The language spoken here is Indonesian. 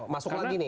masuk lagi nih